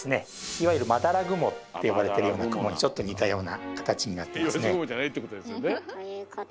いわゆる「まだら雲」って呼ばれてるような雲にちょっと似たような形になってますね。